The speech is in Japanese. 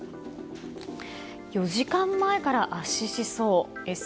４時間前から圧死しそう。